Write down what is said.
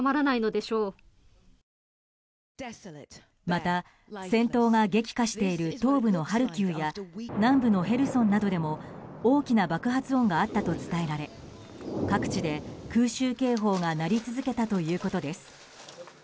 また戦闘が激化している東部のハルキウや南部のヘルソンなどでも大きな爆発音があったと伝えられ各地で空襲警報が鳴り続けたということです。